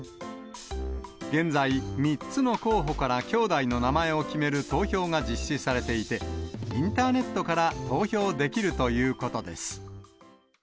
現在、３つの候補から兄弟の名前を決める投票が実施されていて、インターネットから投票できるということです。